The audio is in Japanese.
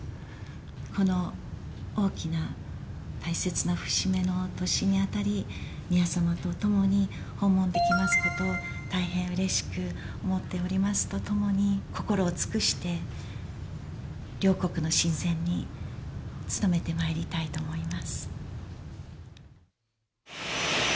この大きな大切な節目の年にあたり、宮さまと共に、訪問できますことを大変うれしく思っておりますとともに、心を尽くして、両国の親善に努めてまいりたいと思います。